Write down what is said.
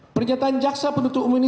pernyataan jaksa penuntut umum ini